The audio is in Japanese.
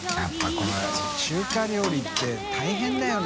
この中華料理って大変だよな